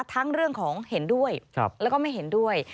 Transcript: ทั้งเรื่องของเห็นด้วยแล้วก็ไม่เห็นด้วย